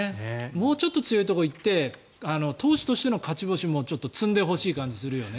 もうちょっと強いところに行って投手としての勝ち星も積んでほしい感じがするよね。